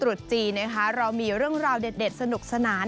เรามีเรื่องราวเด็ดสนุกสนาน